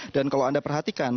dan kalau anda perhatikan